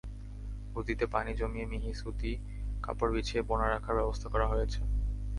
গুদিতে পানি জমিয়ে মিহি সুতি কাপড় বিছিয়ে পোনা রাখার ব্যবস্থা করা হয়েছে।